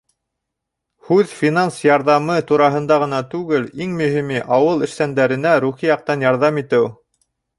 Һүҙ финанс ярҙамы тураһында ғына түгел, иң мөһиме — ауыл эшсәндәренә рухи яҡтан ярҙам итеү.